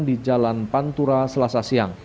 di jalan pantura selasa siang